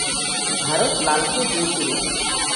ভারত লালকে জয়ী করুন।